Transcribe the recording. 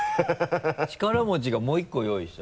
力持ちがもう１個用意した？